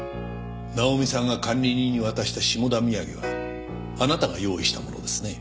ナオミさんが管理人に渡した下田土産はあなたが用意したものですね？